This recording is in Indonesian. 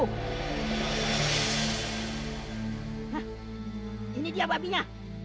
hah ini dia babinya